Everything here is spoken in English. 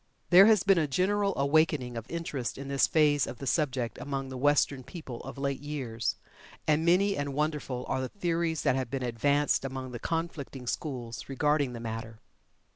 There has been a general awakening of interest in this phase of the subject among the Western people of late years, and many and wonderful are the theories that have been advanced among the conflicting schools regarding the matter.